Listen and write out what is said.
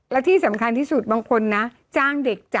และที่สำคัญที่สุดบางคนนะจ้างเด็กจ้